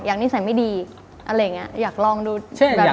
อยากนิสัยไม่ดีอยากลองดูแบบนั้น